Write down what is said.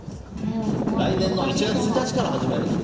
来年の１月１日から始めるって。